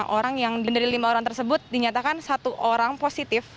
lima orang yang dari lima orang tersebut dinyatakan satu orang positif